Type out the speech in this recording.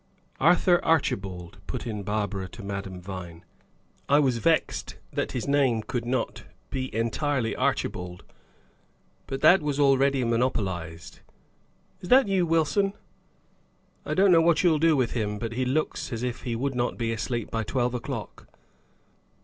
"Arthur Archibald," put in Barbara to Madame Vine. "I was vexed that his name could not be entirely Archibald, but that was already monopolized. Is that you, Wilson? I don't know what you'll do with him, but he looks as if he would not be asleep by twelve o'clock."